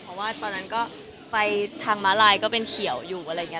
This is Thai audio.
เพราะว่าตอนนั้นก็ไฟทางม้าลายก็เป็นเขียวอยู่อะไรอย่างนี้